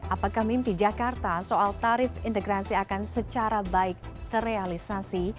apakah mimpi jakarta soal tarif integrasi akan secara baik terrealisasi